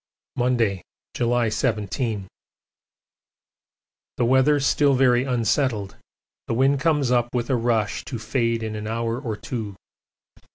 Monday, July 17. The weather still very unsettled the wind comes up with a rush to fade in an hour or two.